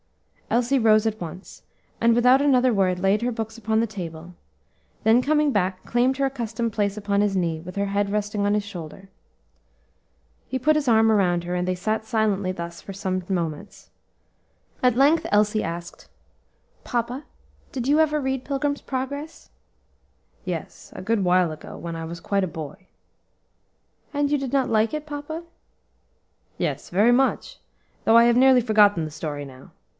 Elsie rose at once, and without another word laid her books upon the table; then coming back, claimed her accustomed place upon his knee, with her head resting on his shoulder. He put his arm around her, and they sat silently thus for some moments. At length Elsie asked, "Papa, did you ever read 'Pilgrim's Progress!'" "Yes; a good while ago, when I was quite a boy." "And you did not like it, papa?" "Yes, very much, though I have nearly forgotten the story now.